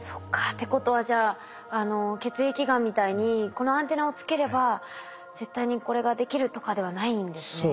っていうことはじゃあ血液がんみたいにこのアンテナをつければ絶対にこれができるとかではないんですね。